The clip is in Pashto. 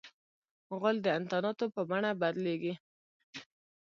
غول د انتاناتو په بڼه بدلیږي.